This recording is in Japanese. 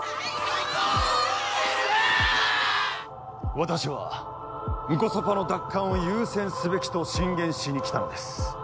私はンコソパの奪還を優先すべきと進言しに来たのです。